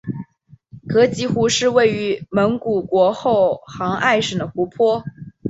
额吉湖是位于蒙古国后杭爱省的湖泊。